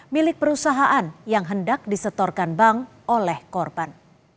milik perusahaan yang hendak disetorkan bank oleh korban